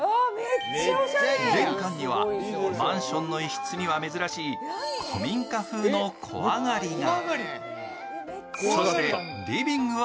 玄関にはマンションには珍しい古民家風の小上がりが。